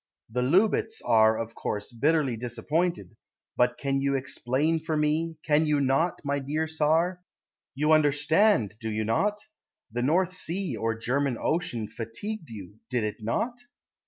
The Loubets are, of course, Bitterly disappointed, But you can explain for me, Can you not, my dear Tsar? You understand, Do you not? The North Sea or German Ocean Fatigued you, Did it not?